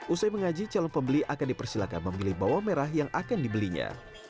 usai mengaji calon pembeli akan dipersilakan memilih bawang merah yang akan dibelinya